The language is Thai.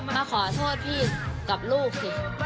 มาขอโทษพี่กับลูกสิ